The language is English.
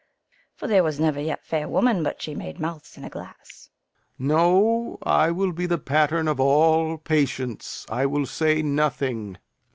For there was never yet fair woman but she made mouths in a glass. Enter Kent. Lear. No, I will be the pattern of all patience; I will say nothing.